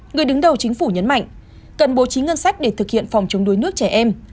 người đứng đầu chính phủ nhấn mạnh cần bố trí ngân sách để thực hiện phòng chống đuối nước trẻ em